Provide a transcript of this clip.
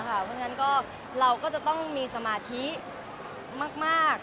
เพราะฉะนั้นเราก็จะต้องมีสมาธิมาก